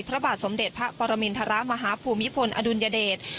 พระบาทสมเด็จพระปรมินทรมาฮภูมิพลอดุลยเดช